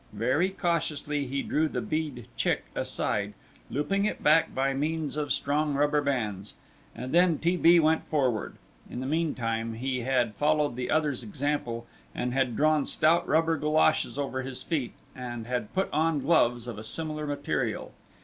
Very cautiously he drew the bead "chick" aside, looping it back by means of strong rubber bands, and then T. B. went forward. In the meantime he had followed the other's example, and had drawn stout rubber goloshes over his feet and had put on gloves of a similar material.